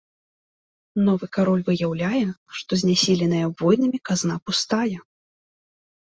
Новы кароль выяўляе, што знясіленая войнамі казна пустая.